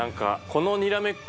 このにらめっこ